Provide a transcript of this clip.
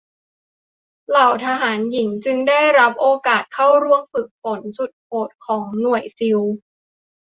เหล่าทหารหญิงจึงได้รับโอกาสเข้าร่วมการฝึกฝนสุดโหดของหน่วยซีล